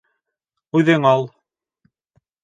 Үҙең ал.